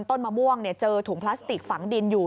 ต้นมะม่วงเจอถุงพลาสติกฝังดินอยู่